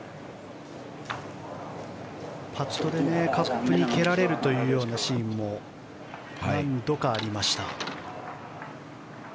パットでカップに蹴られるというシーンも何度かありました。